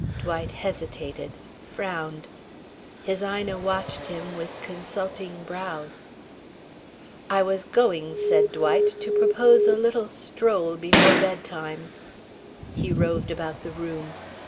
Dwight hesitated, frowned. His Ina watched him with consulting brows. "I was going," said Dwight, "to propose a little stroll before bedtime." He roved about the room.